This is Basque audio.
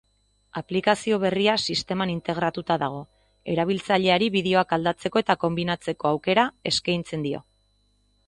Aplikazio berria sisteman integratuta dago erabiltzaileari bideoak aldatzeko eta konbinatzeko aukera eskaintzen dio.